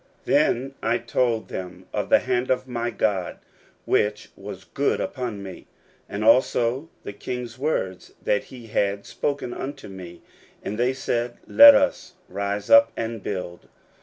16:002:018 Then I told them of the hand of my God which was good upon me; as also the king's words that he had spoken unto me. And they said, Let us rise up and build.